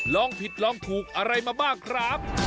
ลองผิดลองถูกอะไรมาบ้างครับ